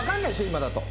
今だと。